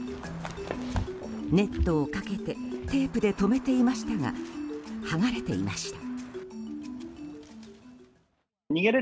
ネットをかけてテープで止めていましたが剥がれていました。